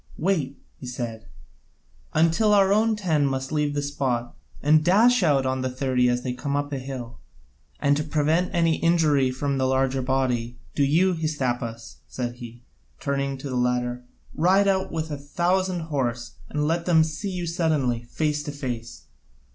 "Wait," he said, "until our own ten must leave the spot and then dash out on the thirty as they come up the hill. And to prevent any injury from the larger body, do you, Hystaspas," said he, turning to the latter, "ride out with a thousand horse, and let them see you suddenly, face to face.